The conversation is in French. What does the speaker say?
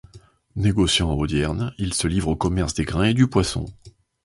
Négociant à Audierne, il se livre au commerce des grains et du poisson.